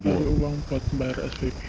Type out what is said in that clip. ada uang untuk bayar spp